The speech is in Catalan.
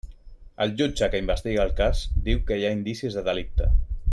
El jutge que investiga el cas diu que hi ha indicis de delicte.